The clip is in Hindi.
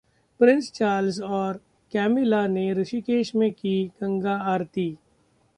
प्रिंस चार्ल्स और कैमिला ने ऋषिकेश में की गंगा आरती